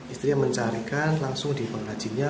istri yang mencarikan langsung di pengrajinnya